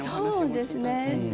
そうですね。